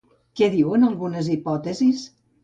Què diuen algunes hipòtesis?